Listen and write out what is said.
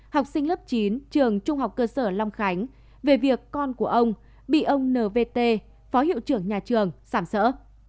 học sinh lớp chín trường trung học cơ sở long khánh về việc con của ông bị ông nvt phó hiệu trưởng nhà trường sảm sỡ